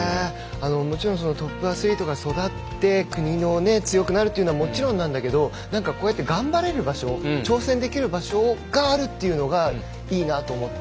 もちろんトップアスリートが育って国も強くなるというのも、もちろんなんだけど頑張れる場所、挑戦できる場所があるというのはいいなと思って。